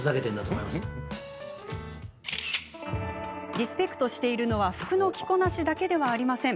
リスペクトしているのは服の着こなしだけではありません。